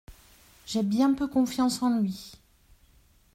J’ai bien peu confiance en lui.